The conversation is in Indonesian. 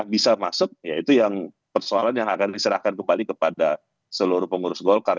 bisa masuk ya itu yang persoalan yang akan diserahkan kembali kepada seluruh pengurus golkar